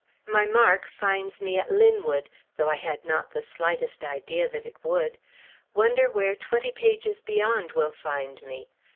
My mark finds me at Linwood, though I had not the slightest idea that it would. Wonder where twenty pages beyond will find me?